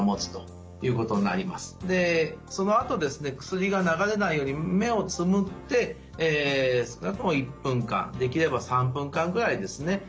薬が流れないように目をつむって少なくとも１分間できれば３分間ぐらいですね